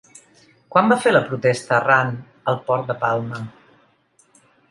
Quan va fer la protesta Arran al port de Palma?